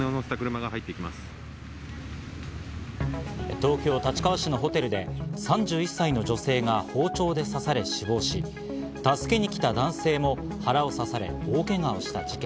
東京・立川市のホテルで３１歳の女性が包丁で刺され死亡し、助けに来た男性も腹を刺され大けがをした事件。